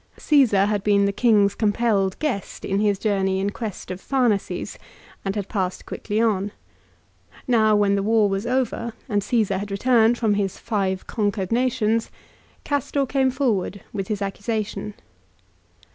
Csesar had been the king's compelled guest in his journey in quest of Pharnaces, and had passed quickly on. Now when the war was over and Caesar had returned from his five conquered nations, Castor came forward with his accusation.